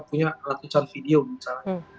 punya ratusan video misalnya